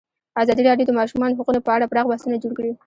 ازادي راډیو د د ماشومانو حقونه په اړه پراخ بحثونه جوړ کړي.